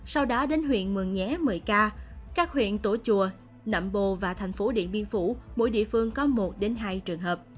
sau đó đến huyện mường nhé một mươi ca các huyện tổ chùa nậm bồ và thành phố điện biên phủ mỗi địa phương có một hai trường hợp